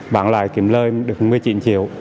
bạn lại kiếm lời được một mươi chín triệu